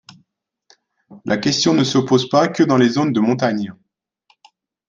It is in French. La question ne se pose pas que dans les zones de montagne.